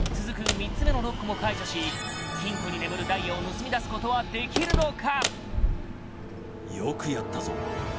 ３つ目のロックも解除し金庫に眠るダイヤを盗み出すことはできるのか？